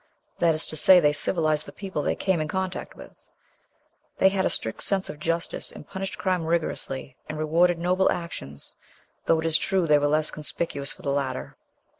That is to say, they civilized the people they came in contact with. They had a strict sense of justice, and punished crime rigorously, and rewarded noble actions, though it is true they were less conspicuous for the latter."